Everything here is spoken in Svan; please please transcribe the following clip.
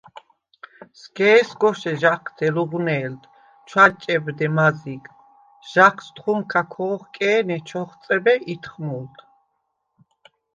სგ’ე̄სგოშე ჟაჴთე ლუღვნე̄ლდ, ჩვადჭებდე მაზიგ, ჟაჴს თხუმქა ქ’ო̄ხკე̄ნე, ჩ’ოხწებე ითხმუ̄ლდ.